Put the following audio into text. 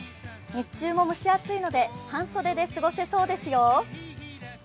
日中も蒸し暑いので半袖で過ごせそうですよ。